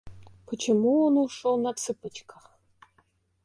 Почему он ушёл на цыпочках?